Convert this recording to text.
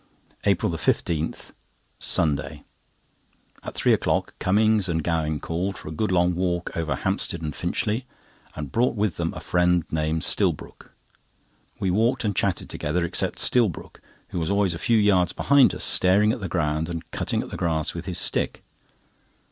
APRIL 15, Sunday.—At three o'clock Cummings and Gowing called for a good long walk over Hampstead and Finchley, and brought with them a friend named Stillbrook. We walked and chatted together, except Stillbrook, who was always a few yards behind us staring at the ground and cutting at the grass with his stick.